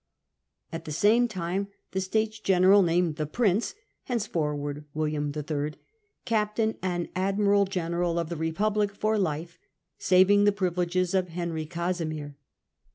At the same time the States General named the Prince, henceforward William III., Captain and Admiral General of the Republic for life, saving the privileges of Henry Casimir.